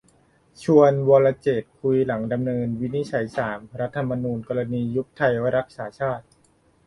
ชวน 'วรเจตน์' คุยหลังคำวินิจฉัยศาลรัฐธรรมนูญ กรณียุบไทยรักษาชาติ